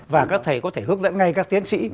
và các thầy có thể hướng dẫn ngay các tiến sĩ